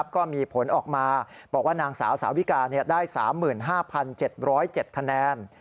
ก็มีผลออกมาบอกว่านางสาวสาวิกาได้๓๕๗๐๗คะแนน